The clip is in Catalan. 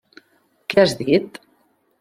Què has dit?